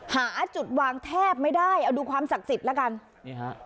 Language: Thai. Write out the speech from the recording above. หาจุดวางแทบไม่ได้เอาดูความศักดิ์สิทธิ์แล้วกันนี่ฮะ